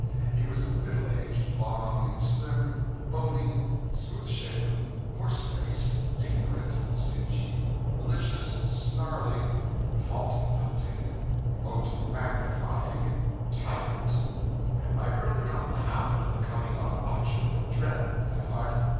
He was a middle aged, long, slim, bony, smooth shaven, horse faced, ignorant, stingy, malicious, snarling, fault hunting, mote magnifying tyrant. I early got the habit of coming on watch with dread at my heart.